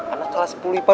anak kelas sepuluh ipa dua